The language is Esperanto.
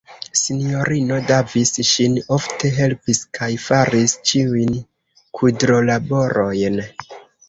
Sinjorino Davis ŝin ofte helpis kaj faris ĉiujn kudrolaborojn.